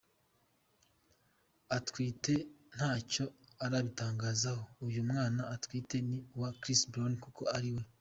atwite ntacyo arabitangazaho, uyu mwana atwite ni uwa Chris Brown kuko ari we.